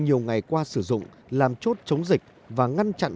nhiều ngày qua sử dụng làm chốt chống dịch và ngăn chặn